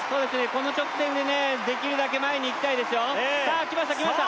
この直線でねできるだけ前にいきたいですよさあきましたきました